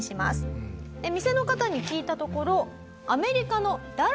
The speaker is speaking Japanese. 店の方に聞いたところ。